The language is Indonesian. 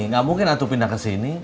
gak mungkin atu pindah ke sini